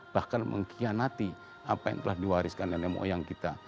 bahkan mengkhianati apa yang telah diwariskan nenek moyang kita